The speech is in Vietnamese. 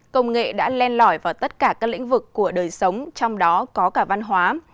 công nghệ đã len lỏi vào tất cả các lĩnh vực của đời sống trong đó có cả văn hóa